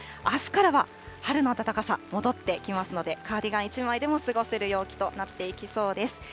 あすからは春の暖かさ、戻ってきますので、カーディガン一枚でも過ごせる陽気となっていきそうです。